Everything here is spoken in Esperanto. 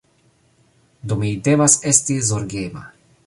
Do, mi devas esti zorgema